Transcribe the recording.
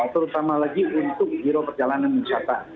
terutama lagi untuk biro perjalanan wisata